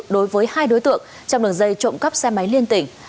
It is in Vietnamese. đối với hai đối tượng trong đường dây trộm cắp xe máy liên tỉnh